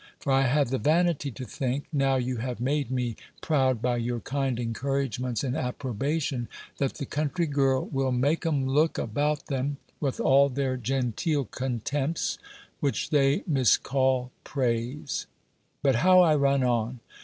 For I have the vanity to think, now you have made me proud by your kind encouragements and approbation, that the country girl will make 'em look about them, with all their genteel contempts, which they miscall praise. But how I run on!